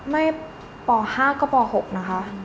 ไม่ป๕ก็ป๖นะคะ